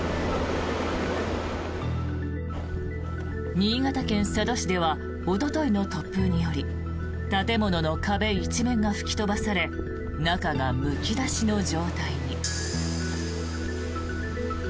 新潟県佐渡市ではおとといの突風により建物の壁一面が吹き飛ばされ中がむき出しの状態に。